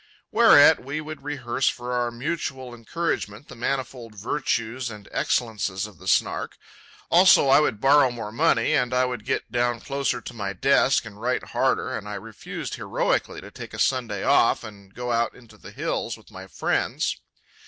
Whereat we would rehearse for our mutual encouragement the manifold virtues and excellences of the Snark. Also, I would borrow more money, and I would get down closer to my desk and write harder, and I refused heroically to take a Sunday off and go out into the hills with my friends.